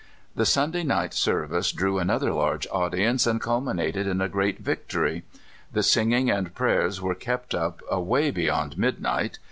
The Sunday night service drew another large audience, and culminated in a great victory. The singing and prayers were kept up away beyond midnight.